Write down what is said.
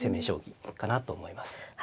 将棋かなと思います。